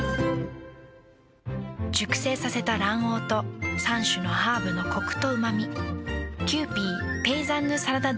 熟成させた卵黄と３種のハーブのコクとうま味。